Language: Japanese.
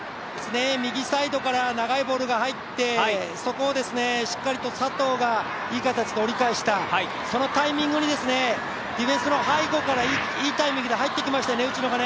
右サイドから長いボールが入ってそこをしっかりと佐藤がいい形で折り返したそのタイミングに、ディフェンスの背後からいいタイミングで入ってきましたね、内野が。